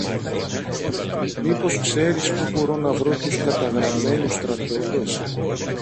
μήπως ξέρεις πού μπορώ να βρω τους καταγραμμένους στρατιώτες;